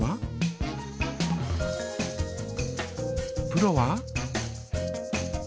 プロは？